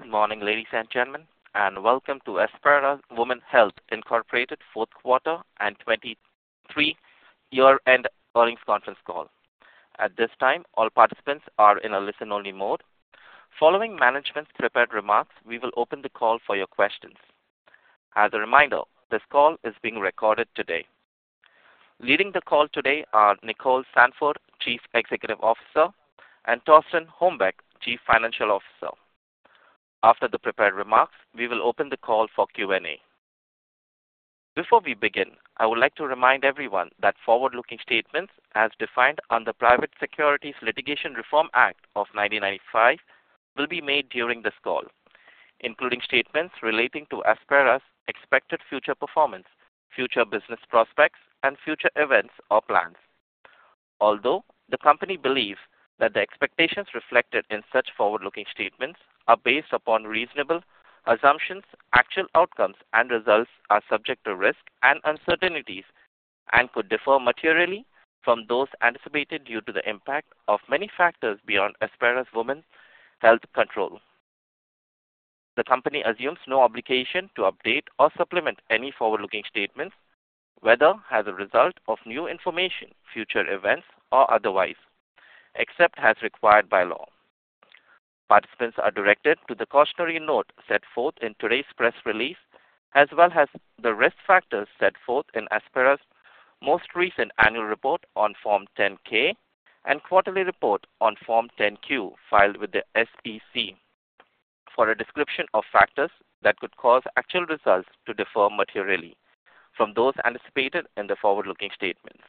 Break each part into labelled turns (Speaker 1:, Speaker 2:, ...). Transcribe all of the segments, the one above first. Speaker 1: Good morning, ladies and gentlemen, and welcome to Aspira Women’s Health Inc. Fourth Quarter and 2023 Year-End Earnings Conference Call. At this time, all participants are in a listen-only mode. Following management's prepared remarks, we will open the call for your questions. As a reminder, this call is being recorded today. Leading the call today are Nicole Sandford, Chief Executive Officer; and Torsten Hombeck, Chief Financial Officer. After the prepared remarks, we will open the call for Q&A. Before we begin, I would like to remind everyone that forward-looking statements as defined on the Private Securities Litigation Reform Act of 1995 will be made during this call, including statements relating to Aspira's expected future performance, future business prospects, and future events or plans. Although the company believes that the expectations reflected in such forward-looking statements are based upon reasonable assumptions, actual outcomes and results are subject to risks and uncertainties and could differ materially from those anticipated due to the impact of many factors beyond Aspira Women's Health control. The company assumes no obligation to update or supplement any forward-looking statements, whether as a result of new information, future events, or otherwise, except as required by law. Participants are directed to the cautionary note set forth in today's press release, as well as the risk factors set forth in Aspira's most recent annual report on Form 10-K and quarterly report on Form 10-Q, filed with the SEC for a description of factors that could cause actual results to differ materially from those anticipated in the forward-looking statements.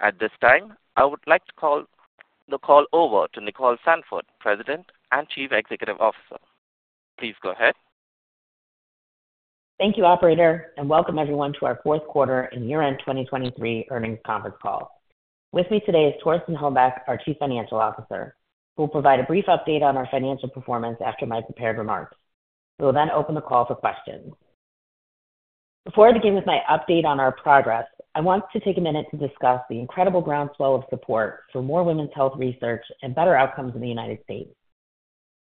Speaker 1: At this time, I would like to call the call over to Nicole Sandford, President and Chief Executive Officer. Please go ahead.
Speaker 2: Thank you, Operator, and welcome everyone to our fourth quarter and year-end 2023 earnings conference call. With me today is Torsten Hombeck, our Chief Financial Officer, who will provide a brief update on our financial performance after my prepared remarks. We will then open the call for questions. Before I begin with my update on our progress, I want to take a minute to discuss the incredible groundswell of support for more women's health research and better outcomes in the United States.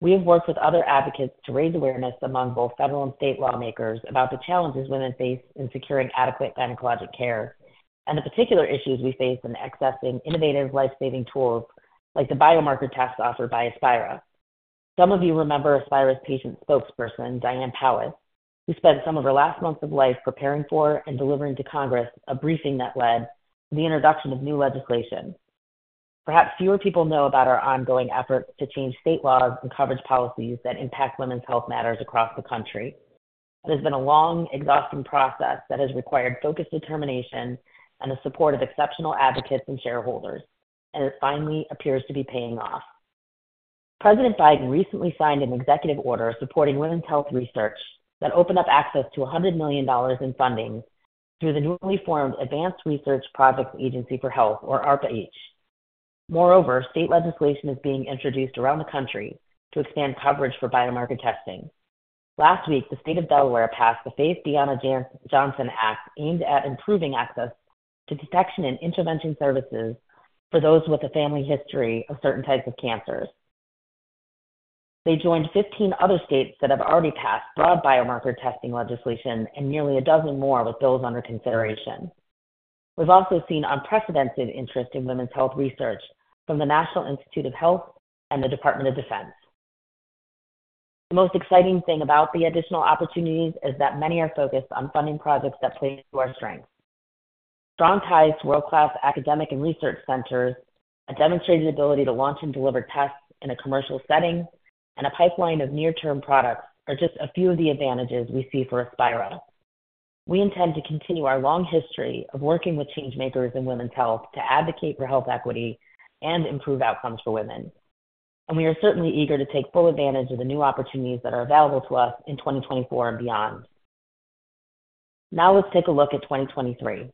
Speaker 2: We have worked with other advocates to raise awareness among both federal and state lawmakers about the challenges women face in securing adequate gynecologic care and the particular issues we face in accessing innovative life-saving tools like the biomarker tests offered by Aspira. Some of you remember Aspira's patient spokesperson, Diane Powis, who spent some of her last months of life preparing for and delivering to Congress a briefing that led to the introduction of new legislation. Perhaps fewer people know about our ongoing efforts to change state laws and coverage policies that impact women's health matters across the country. It has been a long, exhausting process that has required focused determination and the support of exceptional advocates and shareholders, and it finally appears to be paying off. President Biden recently signed an executive order supporting women's health research that opened up access to $100 million in funding through the newly formed Advanced Research Projects Agency for Health, or ARPA-H. Moreover, state legislation is being introduced around the country to expand coverage for biomarker testing. Last week, the State of Delaware passed the Faith Deanna Johnson Act, aimed at improving access to detection and intervention services for those with a family history of certain types of cancers. They joined 15 other states that have already passed broad biomarker testing legislation and nearly a dozen more with those under consideration. We've also seen unprecedented interest in women's health research from the National Institutes of Health and the Department of Defense. The most exciting thing about the additional opportunities is that many are focused on funding projects that play to our strengths. Strong ties to world-class academic and research centers, a demonstrated ability to launch and deliver tests in a commercial setting, and a pipeline of near-term products are just a few of the advantages we see for Aspira. We intend to continue our long history of working with change makers in women's health to advocate for health equity and improve outcomes for women, and we are certainly eager to take full advantage of the new opportunities that are available to us in 2024 and beyond. Now, let's take a look at 2023.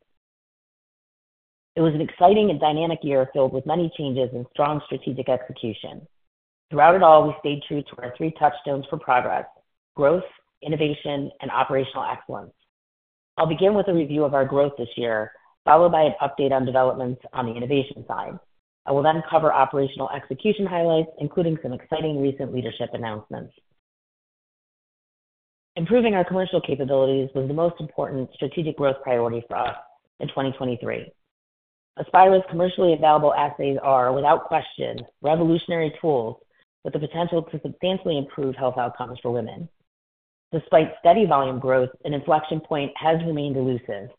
Speaker 2: It was an exciting and dynamic year, filled with many changes and strong strategic execution. Throughout it all, we stayed true to our three touchstones for progress: growth, innovation, and operational excellence. I'll begin with a review of our growth this year, followed by an update on developments on the innovation side. I will then cover operational execution highlights, including some exciting recent leadership announcements. Improving our commercial capabilities was the most important strategic growth priority for us in 2023. Aspira's commercially available assays are, without question, revolutionary tools with the potential to substantially improve health outcomes for women. Despite steady volume growth, an inflection point has remained elusive.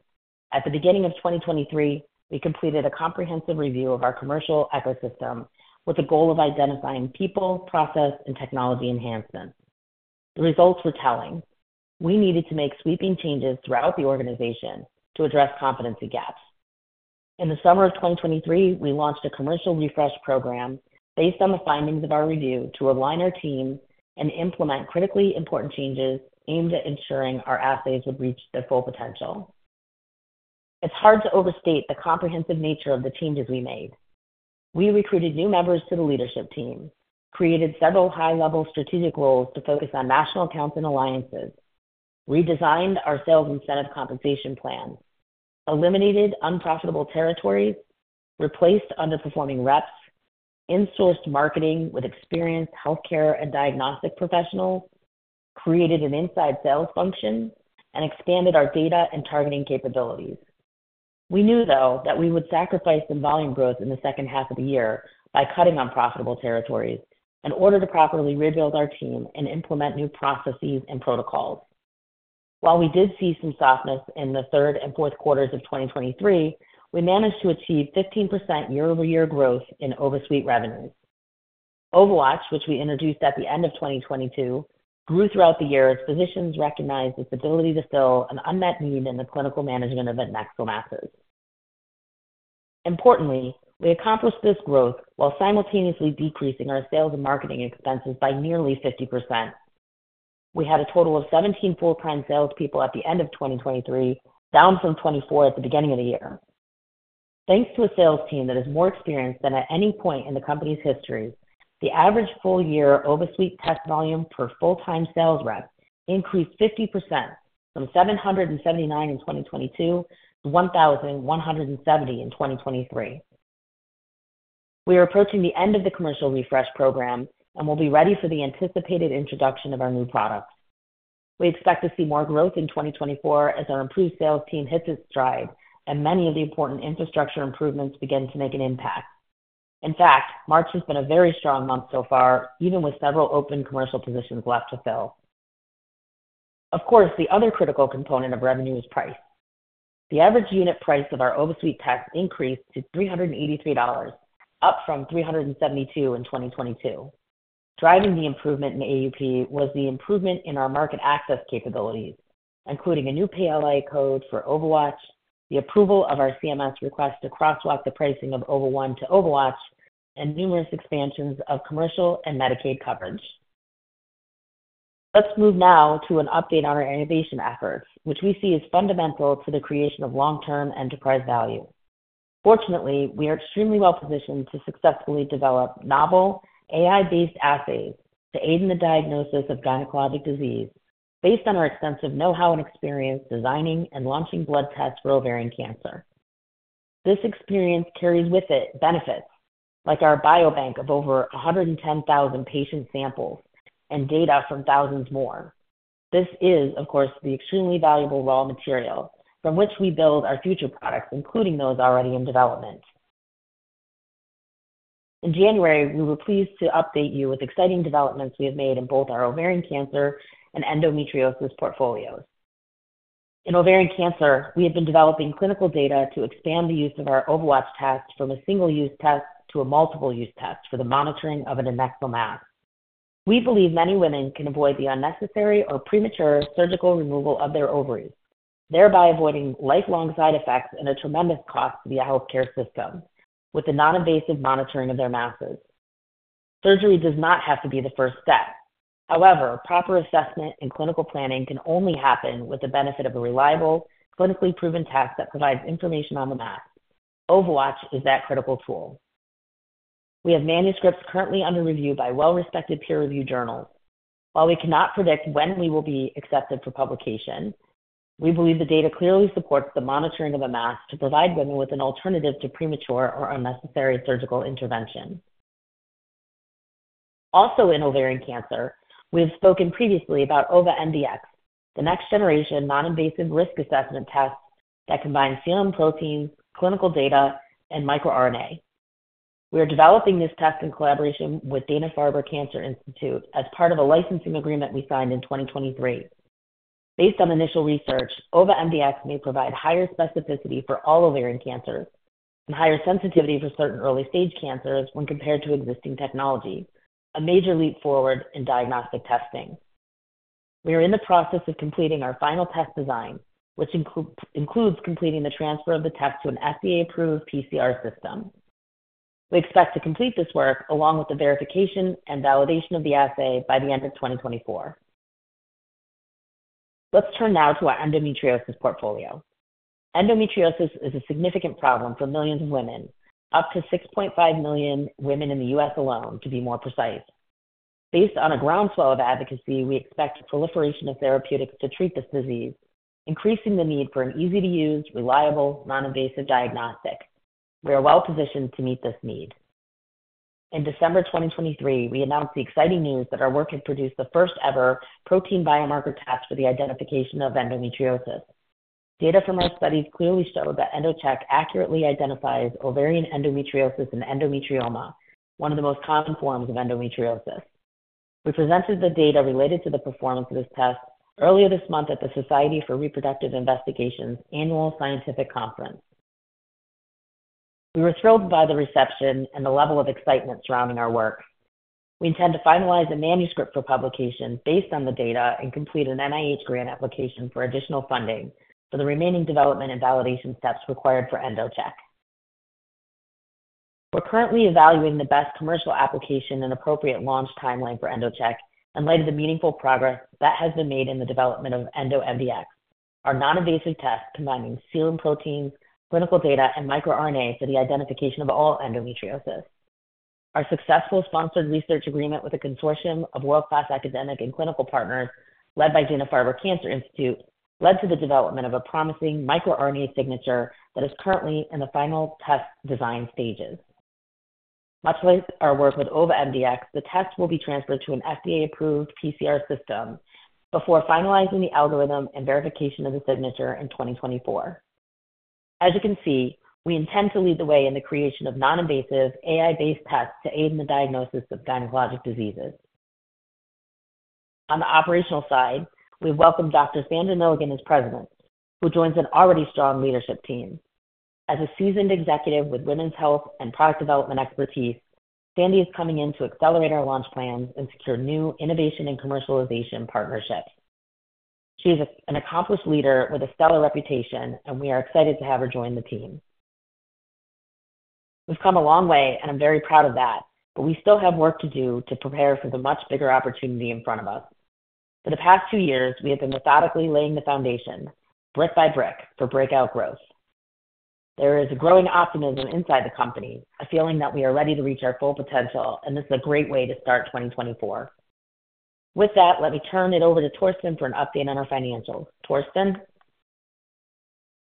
Speaker 2: At the beginning of 2023, we completed a comprehensive review of our commercial ecosystem with the goal of identifying people, process, and technology enhancements. The results were telling. We needed to make sweeping changes throughout the organization to address competency gaps. In the summer of 2023, we launched a commercial refresh program based on the findings of our review, to align our team and implement critically important changes aimed at ensuring our assays would reach their full potential. It's hard to overstate the comprehensive nature of the changes we made. We recruited new members to the leadership team, created several high-level strategic roles to focus on national accounts and alliances, redesigned our sales incentive compensation plan,... eliminated unprofitable territories, replaced underperforming reps, insourced marketing with experienced healthcare and diagnostic professionals, created an inside sales function, and expanded our data and targeting capabilities. We knew, though, that we would sacrifice some volume growth in the second half of the year by cutting unprofitable territories in order to properly rebuild our team and implement new processes and protocols. While we did see some softness in the third and fourth quarters of 2023, we managed to achieve 15% year-over-year growth in OvaSuite revenues. OvaWatch, which we introduced at the end of 2022, grew throughout the year as physicians recognized its ability to fill an unmet need in the clinical management of adnexal masses. Importantly, we accomplished this growth while simultaneously decreasing our sales and marketing expenses by nearly 50%. We had a total of 17 full-time salespeople at the end of 2023, down from 24 at the beginning of the year. Thanks to a sales team that is more experienced than at any point in the company's history, the average full year OvaSuite test volume per full-time sales rep increased 50% from 779 in 2022 to 1,170 in 2023. We are approaching the end of the commercial refresh program, and we'll be ready for the anticipated introduction of our new products. We expect to see more growth in 2024 as our improved sales team hits its stride and many of the important infrastructure improvements begin to make an impact. In fact, March has been a very strong month so far, even with several open commercial positions left to fill. Of course, the other critical component of revenue is price. The average unit price of our OvaSuite test increased to $383, up from $372 in 2022. Driving the improvement in AUP was the improvement in our market access capabilities, including a new PLA code for OvaWatch, the approval of our CMS request to crosswalk the pricing of OVA1 to OvaWatch, and numerous expansions of commercial and Medicaid coverage. Let's move now to an update on our innovation efforts, which we see as fundamental to the creation of long-term enterprise value. Fortunately, we are extremely well positioned to successfully develop novel AI-based assays to aid in the diagnosis of gynecologic disease based on our extensive know-how and experience designing and launching blood tests for ovarian cancer. This experience carries with it benefits, like our biobank of over 110,000 patient samples and data from thousands more. This is, of course, the extremely valuable raw material from which we build our future products, including those already in development. In January, we were pleased to update you with exciting developments we have made in both our ovarian cancer and endometriosis portfolios. In ovarian cancer, we have been developing clinical data to expand the use of our OvaWatch test from a single-use test to a multiple-use test for the monitoring of an adnexal mass. We believe many women can avoid the unnecessary or premature surgical removal of their ovaries, thereby avoiding lifelong side effects and a tremendous cost to the healthcare system, with the non-invasive monitoring of their masses. Surgery does not have to be the first step. However, proper assessment and clinical planning can only happen with the benefit of a reliable, clinically proven test that provides information on the mass. OvaWatch is that critical tool. We have manuscripts currently under review by well-respected peer-reviewed journals. While we cannot predict when we will be accepted for publication, we believe the data clearly supports the monitoring of a mass to provide women with an alternative to premature or unnecessary surgical intervention. Also, in ovarian cancer, we have spoken previously about OvaMDx, the next-generation non-invasive risk assessment test that combines serum proteins, clinical data, and microRNA. We are developing this test in collaboration with Dana-Farber Cancer Institute as part of a licensing agreement we signed in 2023. Based on initial research, OvaMDx may provide higher specificity for all ovarian cancers and higher sensitivity for certain early-stage cancers when compared to existing technology, a major leap forward in diagnostic testing. We are in the process of completing our final test design, which includes completing the transfer of the test to an FDA-approved PCR system. We expect to complete this work, along with the verification and validation of the assay, by the end of 2024. Let's turn now to our endometriosis portfolio. Endometriosis is a significant problem for millions of women, up to 6.5 million women in the US alone, to be more precise. Based on a groundswell of advocacy, we expect a proliferation of therapeutics to treat this disease, increasing the need for an easy-to-use, reliable, non-invasive diagnostic. We are well positioned to meet this need. In December 2023, we announced the exciting news that our work had produced the first-ever protein biomarker test for the identification of endometriosis. Data from our studies clearly showed that EndoCheck accurately identifies ovarian endometriosis and endometrioma, one of the most common forms of endometriosis. We presented the data related to the performance of this test earlier this month at the Society for Reproductive Investigation's annual scientific conference. We were thrilled by the reception and the level of excitement surrounding our work. We intend to finalize a manuscript for publication based on the data and complete an NIH grant application for additional funding for the remaining development and validation steps required for EndoCheck. We're currently evaluating the best commercial application and appropriate launch timeline for EndoCheck in light of the meaningful progress that has been made in the development of EndoMDx, our non-invasive test combining serum proteins, clinical data, and microRNA for the identification of all endometriosis. Our successful sponsored research agreement with a consortium of world-class academic and clinical partners, led by Dana-Farber Cancer Institute, led to the development of a promising microRNA signature that is currently in the final test design stages. Much like our work with OvaMDx, the test will be transferred to an FDA-approved PCR system before finalizing the algorithm and verification of the signature in 2024. As you can see, we intend to lead the way in the creation of non-invasive AI-based tests to aid in the diagnosis of gynecologic diseases. On the operational side, we've welcomed Dr. Sandy Milligan as President, who joins an already strong leadership team. As a seasoned executive with women's health and product development expertise, Sandy is coming in to accelerate our launch plans and secure new innovation and commercialization partnerships. She's an accomplished leader with a stellar reputation, and we are excited to have her join the team. We've come a long way, and I'm very proud of that, but we still have work to do to prepare for the much bigger opportunity in front of us. For the past two years, we have been methodically laying the foundation, brick by brick, for breakout growth. There is a growing optimism inside the company, a feeling that we are ready to reach our full potential, and this is a great way to start 2024. With that, let me turn it over to Torsten for an update on our financials. Torsten?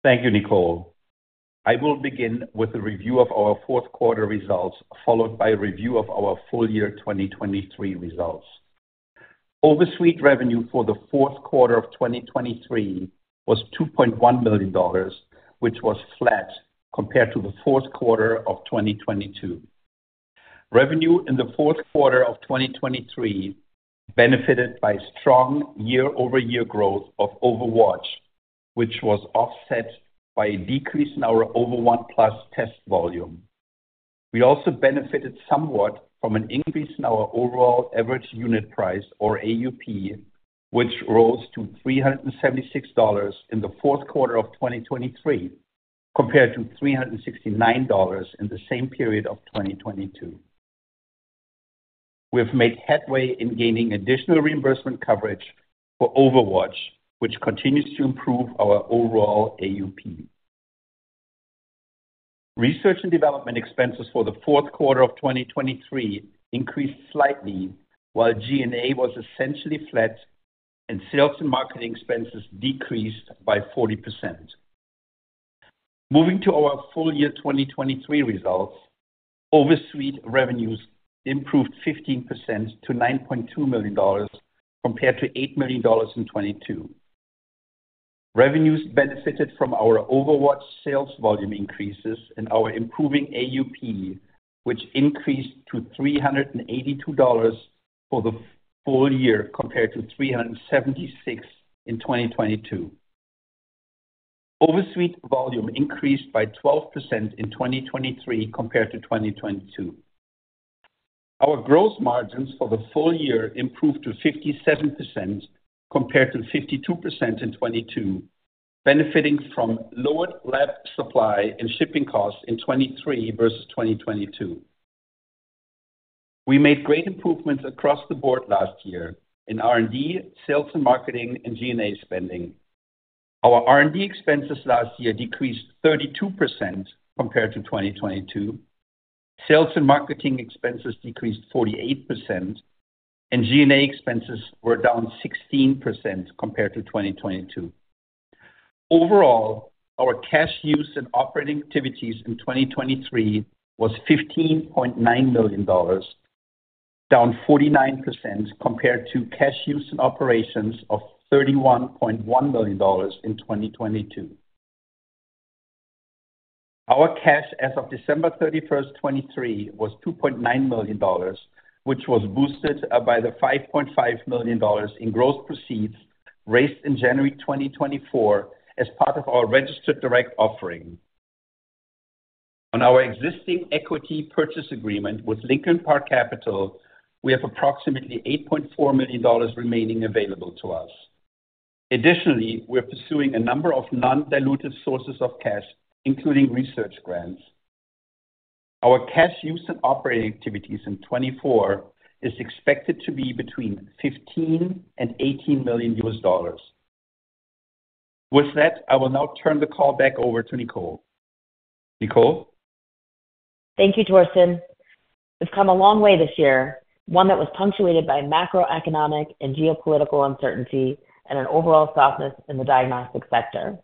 Speaker 3: Thank you, Nicole. I will begin with a review of our fourth quarter results, followed by a review of our full year 2023 results. OvaSuite revenue for the fourth quarter of 2023 was $2.1 million, which was flat compared to the fourth quarter of 2022. Revenue in the fourth quarter of 2023 benefited by strong year-over-year growth of OvaWatch, which was offset by a decrease in our OVA1+ test volume. We also benefited somewhat from an increase in our overall average unit price, or AUP, which rose to $376 in the fourth quarter of 2023, compared to $369 in the same period of 2022. We have made headway in gaining additional reimbursement coverage for OvaWatch, which continues to improve our overall AUP. Research and development expenses for the fourth quarter of 2023 increased slightly, while G&A was essentially flat and sales and marketing expenses decreased by 40%. Moving to our full year 2023 results, OvaSuite revenues improved 15% to $9.2 million, compared to $8 million in 2022. Revenues benefited from our OvaWatch sales volume increases and our improving AUP, which increased to $382 for the full year, compared to $376 in 2022. OvaSuite volume increased by 12% in 2023 compared to 2022. Our gross margins for the full year improved to 57%, compared to 52% in 2022, benefiting from lowered lab supply and shipping costs in 2023 versus 2022. We made great improvements across the board last year in R&D, sales and marketing, and G&A spending. Our R&D expenses last year decreased 32% compared to 2022. Sales and marketing expenses decreased 48%, and G&A expenses were down 16% compared to 2022. Overall, our cash use and operating activities in 2023 was $15.9 million, down 49% compared to cash use and operations of $31.1 million in 2022. Our cash as of December 31, 2023, was $2.9 million, which was boosted by the $5.5 million in gross proceeds raised in January 2024 as part of our registered direct offering. On our existing equity purchase agreement with Lincoln Park Capital, we have approximately $8.4 million remaining available to us. Additionally, we are pursuing a number of non-dilutive sources of cash, including research grants. Our cash use and operating activities in 2024 is expected to be between $15 million and $18 million. With that, I will now turn the call back over to Nicole. Nicole?
Speaker 2: Thank you, Torsten. We've come a long way this year, one that was punctuated by macroeconomic and geopolitical uncertainty and an overall softness in the diagnostic sector.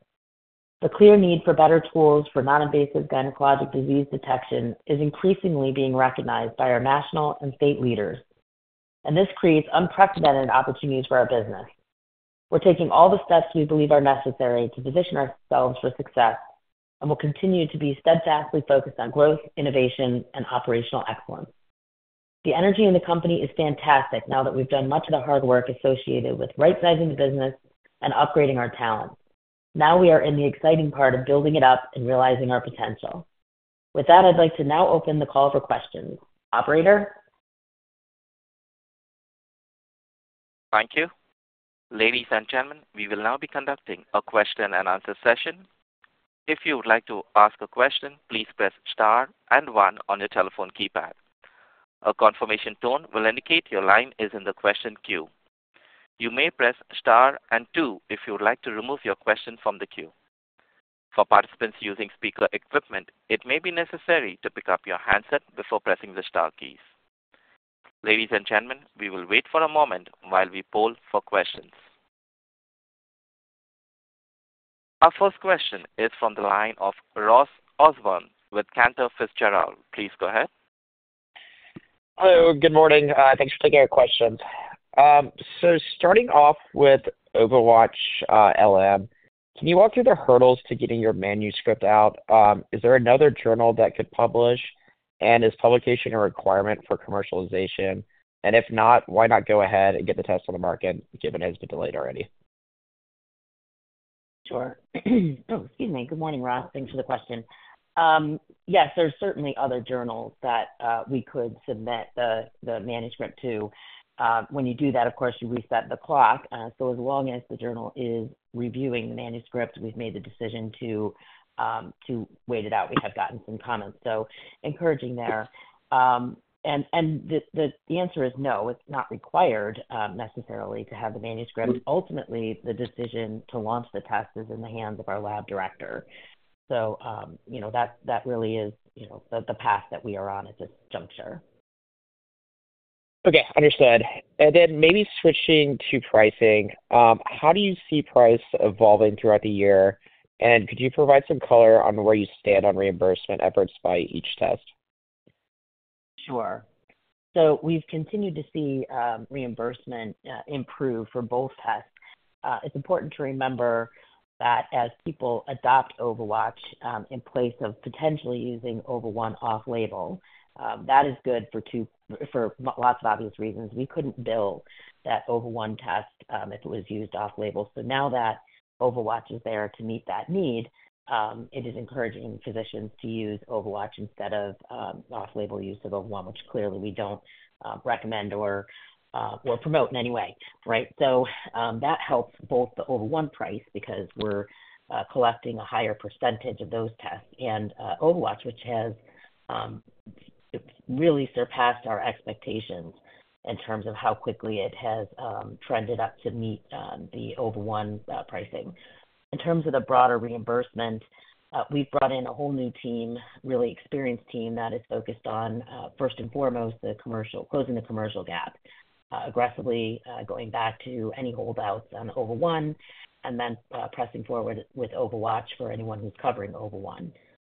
Speaker 2: The clear need for better tools for non-invasive gynecologic disease detection is increasingly being recognized by our national and state leaders, and this creates unprecedented opportunities for our business. We're taking all the steps we believe are necessary to position ourselves for success, and we'll continue to be steadfastly focused on growth, innovation, and operational excellence. The energy in the company is fantastic now that we've done much of the hard work associated with right-sizing the business and upgrading our talent. Now we are in the exciting part of building it up and realizing our potential. With that, I'd like to now open the call for questions. Operator?
Speaker 1: Thank you. Ladies and gentlemen, we will now be conducting a question and answer session. If you would like to ask a question, please press star and one on your telephone keypad. A confirmation tone will indicate your line is in the question queue. You may press star and two if you would like to remove your question from the queue. For participants using speaker equipment, it may be necessary to pick up your handset before pressing the star keys. Ladies and gentlemen, we will wait for a moment while we poll for questions. Our first question is from the line of Ross Osborn with Cantor Fitzgerald. Please go ahead.
Speaker 4: Hello, good morning. Thanks for taking our questions. So starting off with OvaWatch, LM, can you walk through the hurdles to getting your manuscript out? Is there another journal that could publish? And is publication a requirement for commercialization? And if not, why not go ahead and get the test on the market, given it's been delayed already?
Speaker 2: Sure. Oh, excuse me. Good morning, Ross. Thanks for the question. Yes, there's certainly other journals that we could submit the manuscript to. When you do that, of course, you reset the clock, so as long as the journal is reviewing the manuscript, we've made the decision to wait it out. We have gotten some comments, so encouraging there. And the answer is no, it's not required necessarily to have the manuscript. Ultimately, the decision to launch the test is in the hands of our lab director. So, you know, that really is, you know, the path that we are on at this juncture.
Speaker 4: Okay, understood. And then maybe switching to pricing, how do you see price evolving throughout the year? And could you provide some color on where you stand on reimbursement efforts by each test?
Speaker 2: Sure. So we've continued to see reimbursement improve for both tests. It's important to remember that as people adopt OvaWatch, in place of potentially using OVA1 off-label, that is good for lots of obvious reasons. We couldn't bill that OVA1 test, if it was used off-label. So now that OvaWatch is there to meet that need, it is encouraging physicians to use OvaWatch instead of, off-label use of OVA1, which clearly we don't, recommend or promote in any way, right? So, that helps both the OVA1 price, because we're collecting a higher percentage of those tests, and OvaWatch, which has, it's really surpassed our expectations in terms of how quickly it has, trended up to meet, the OVA1 pricing. In terms of the broader reimbursement, we've brought in a whole new team, really experienced team, that is focused on, first and foremost, the commercial, closing the commercial gap, aggressively, going back to any holdouts on OVA1 and then, pressing forward with OvaWatch for anyone who's covering OVA1.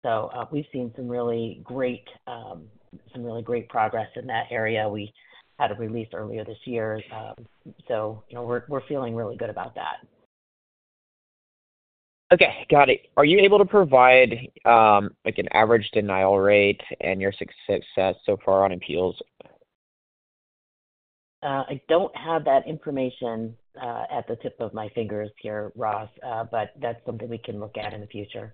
Speaker 2: So, we've seen some really great, some really great progress in that area. We had a release earlier this year, so, you know, we're, we're feeling really good about that.
Speaker 4: Okay, got it. Are you able to provide, like, an average denial rate and your success so far on appeals?
Speaker 2: I don't have that information at the tip of my fingers here, Ross, but that's something we can look at in the future.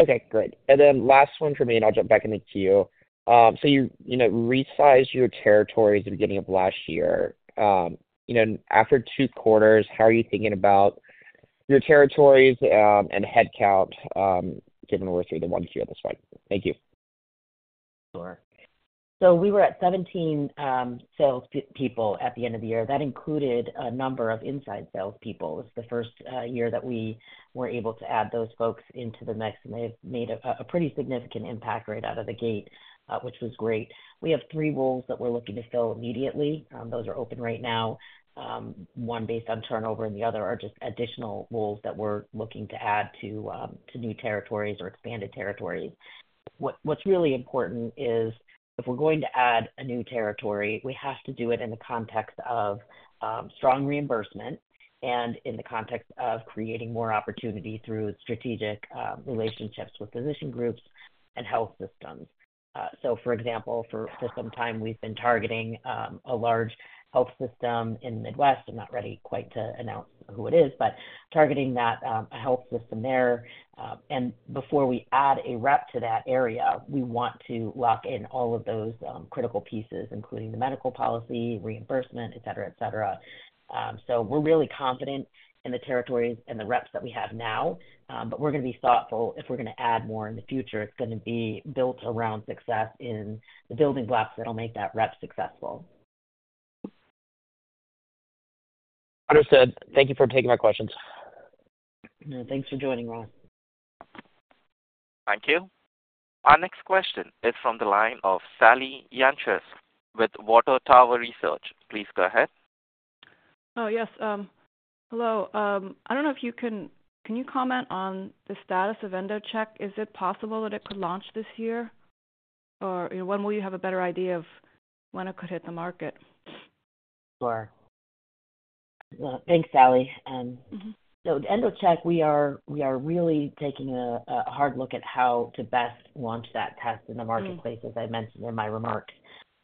Speaker 4: Okay, great. And then last one for me, and I'll jump back into you. So you, you know, resized your territories at the beginning of last year. You know, after two quarters, how are you thinking about your territories, and headcount, given where were the ones you have this slide? Thank you.
Speaker 2: Sure. So we were at 17 salespeople at the end of the year. That included a number of inside salespeople. It's the first year that we were able to add those folks into the mix, and they've made a pretty significant impact right out of the gate, which was great. We have three roles that we're looking to fill immediately. Those are open right now, one based on turnover, and the others are just additional roles that we're looking to add to new territories or expanded territories. What's really important is, if we're going to add a new territory, we have to do it in the context of strong reimbursement and in the context of creating more opportunity through strategic relationships with physician groups and health systems. So for example, for some time, we've been targeting a large health system in the Midwest. I'm not ready quite to announce who it is, but targeting that health system there. And before we add a rep to that area, we want to lock in all of those critical pieces, including the medical policy, reimbursement, et cetera, et cetera. So we're really confident in the territories and the reps that we have now, but we're gonna be thoughtful if we're gonna add more in the future. It's gonna be built around success in the building blocks that'll make that rep successful.
Speaker 4: Understood. Thank you for taking my questions.
Speaker 2: Thanks for joining, Ross.
Speaker 1: Thank you. Our next question is from the line of Sally Yanchus with Water Tower Research. Please go ahead.
Speaker 5: Oh, yes. Hello. I don't know if you can... Can you comment on the status of EndoCheck? Is it possible that it could launch this year? Or, you know, when will you have a better idea of when it could hit the market?
Speaker 2: Sure. Thanks, Sally. So EndoCheck, we are really taking a hard look at how to best launch that test in the marketplace, as I mentioned in my remarks.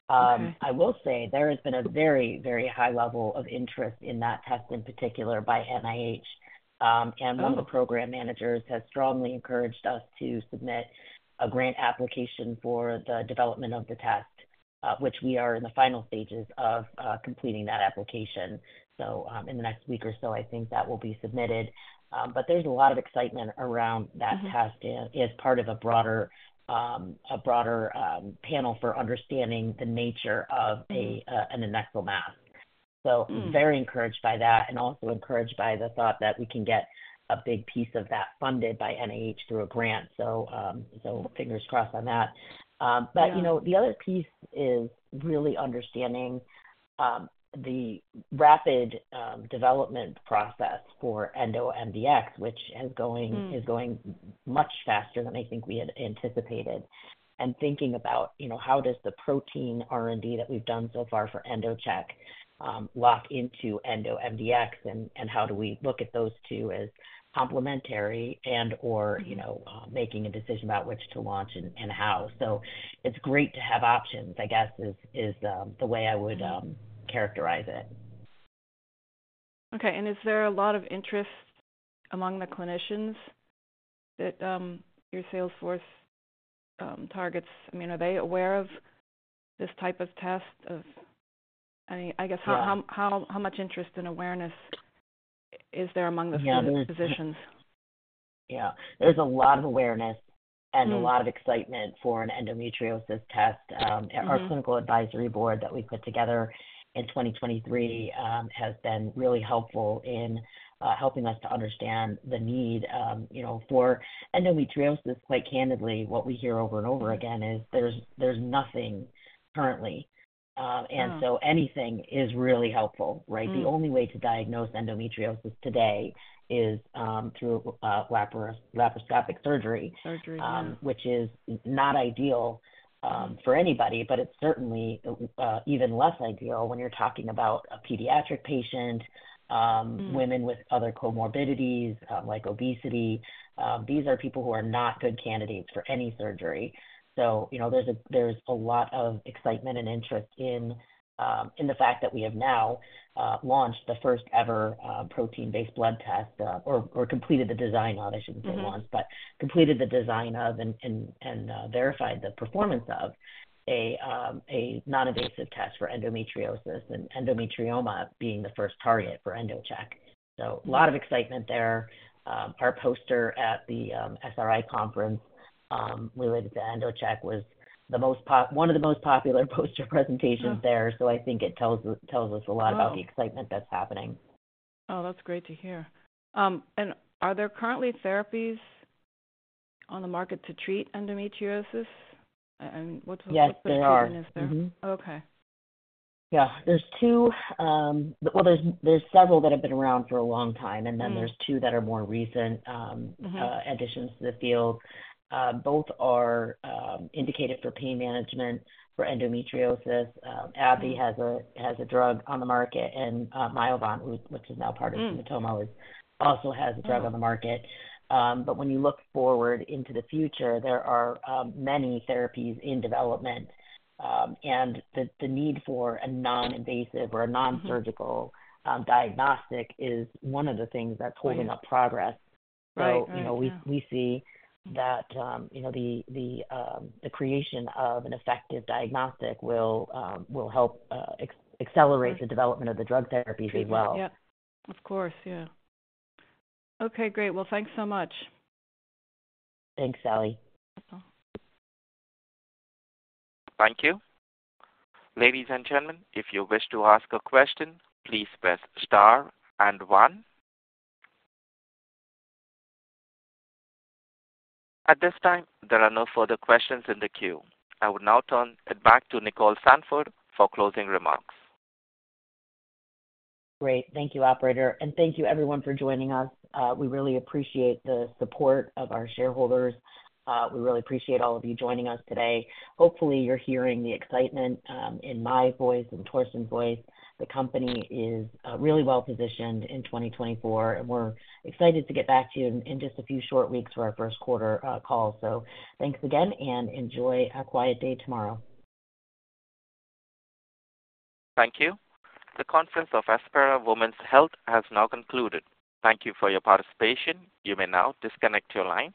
Speaker 5: Mm-hmm.
Speaker 2: I will say there has been a very, very high level of interest in that test, in particular by NIH. And one of the program managers has strongly encouraged us to submit a grant application for the development of the test, which we are in the final stages of completing that application. So, in the next week or so, I think that will be submitted. But there's a lot of excitement around that test as part of a broader panel for understanding the nature of an adnexal mass. So very encouraged by that, and also encouraged by the thought that we can get a big piece of that funded by NIH through a grant. So, fingers crossed on that. But-
Speaker 5: Yeah.
Speaker 2: -you know, the other piece is really understanding the rapid development process for EndoMDx, which is going-
Speaker 5: Mm.
Speaker 2: -is going much faster than I think we had anticipated. Thinking about, you know, how does the protein R&D that we've done so far for EndoCheck lock into EndoMDx, and how do we look at those two as complementary and/or, you know, making a decision about which to launch and how? So it's great to have options, I guess is the way I would characterize it.
Speaker 5: Okay. And is there a lot of interest among the clinicians that, your sales force, targets? I mean, are they aware of this type of test of any-
Speaker 2: Yeah.
Speaker 5: I guess, how much interest and awareness is there among the-
Speaker 2: Yeah, there's-
Speaker 5: -physicians?
Speaker 2: Yeah. There's a lot of awareness-
Speaker 5: Mm.
Speaker 2: A lot of excitement for an endometriosis test.
Speaker 5: Mm-hmm.
Speaker 2: Our clinical advisory board that we put together in 2023 has been really helpful in helping us to understand the need, you know, for endometriosis. Quite candidly, what we hear over and over again is there's nothing currently.
Speaker 5: Mm.
Speaker 2: And so anything is really helpful, right?
Speaker 5: Mm.
Speaker 2: The only way to diagnose endometriosis today is through laparoscopic surgery.
Speaker 5: Surgery, yeah.
Speaker 2: Which is not ideal for anybody, but it's certainly even less ideal when you're talking about a pediatric patient.
Speaker 5: Mm...
Speaker 2: women with other comorbidities, like obesity. These are people who are not good candidates for any surgery. So, you know, there's a lot of excitement and interest in the fact that we have now launched the first ever protein-based blood test, or completed the design of, I shouldn't say launched.
Speaker 5: Mm-hmm.
Speaker 2: But completed the design of and verified the performance of a non-invasive test for endometriosis, and endometrioma being the first target for EndoCheck.
Speaker 5: Mm.
Speaker 2: A lot of excitement there. Our poster at the SRI conference related to EndoCheck was one of the most popular poster presentations there.
Speaker 5: Mm.
Speaker 2: So I think it tells us, tells us a lot-
Speaker 5: Wow
Speaker 2: -about the excitement that's happening.
Speaker 5: Oh, that's great to hear. And are there currently therapies on the market to treat endometriosis? And what's the-
Speaker 2: Yes, there are.
Speaker 5: Mm-hmm. Okay.
Speaker 2: Yeah, there's two. Well, there's several that have been around for a long time.
Speaker 5: Mm.
Speaker 2: Then there's two that are more recent,
Speaker 5: Mm-hmm...
Speaker 2: additions to the field. Both are indicated for pain management, for endometriosis. AbbVie has a drug on the market, and Myovant, which is now part of Sumitomo-
Speaker 5: Mm
Speaker 2: also has a drug on the market. But when you look forward into the future, there are many therapies in development, and the need for a non-invasive or a-
Speaker 5: Mm-hmm
Speaker 2: Non-surgical, diagnostic is one of the things that's holding up progress.
Speaker 5: Right.
Speaker 2: So-
Speaker 5: Right. Right...
Speaker 2: you know, we see that, you know, the creation of an effective diagnostic will help accelerate-
Speaker 5: Right
Speaker 2: the development of the drug therapies as well.
Speaker 5: Yeah. Of course. Yeah. Okay, great. Well, thanks so much.
Speaker 2: Thanks, Sally.
Speaker 5: Uh-huh.
Speaker 1: Thank you. Ladies and gentlemen, if you wish to ask a question, please press star and one. At this time, there are no further questions in the queue. I would now turn it back to Nicole Sandford for closing remarks.
Speaker 2: Great. Thank you, operator, and thank you everyone for joining us. We really appreciate the support of our shareholders. We really appreciate all of you joining us today. Hopefully, you're hearing the excitement in my voice and Torsten's voice. The company is really well positioned in 2024, and we're excited to get back to you in just a few short weeks for our first quarter call. So thanks again, and enjoy a quiet day tomorrow.
Speaker 1: Thank you. The conference of Aspira Women's Health has now concluded. Thank you for your participation. You may now disconnect your lines.